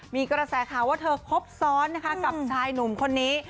มีกระแสข่าวว่าเธอครบซ้อนนะคะกับชายหนุ่มคนนี้